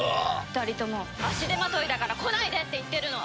２人とも足手まといだから来ないでって言ってるの！